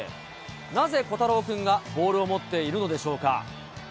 なぜ虎太郎君がボールを持っているのでしょうか。